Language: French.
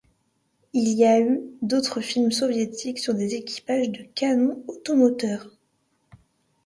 Il y a eu d'autres films soviétiques sur des équipages de canons automoteurs.